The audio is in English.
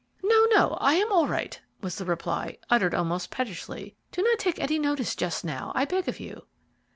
"No, no, I am all right," was the reply, uttered almost pettishly. "Do not take any notice just now, I beg of you."